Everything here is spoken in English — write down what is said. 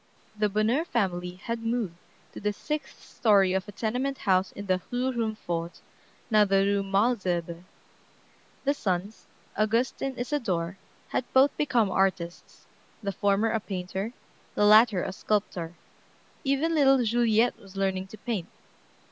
The Bonheur family had moved to the sixth story of a tenement house in the Rue Rumfort, now the Rue Malesherbes. The sons, Auguste and Isadore, had both become artists; the former a painter, the latter a sculptor. Even little Juliette was learning to paint.